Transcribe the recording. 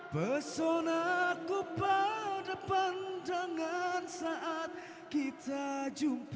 beson aku pada pandangan saat kita jump